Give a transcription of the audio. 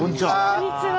こんにちは。